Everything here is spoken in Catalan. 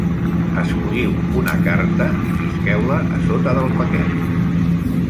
Escolliu una carta i llisqueu-la a sota del paquet.